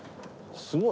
すごい。